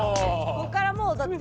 ここからもうだって。